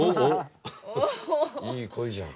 おっいい声じゃん！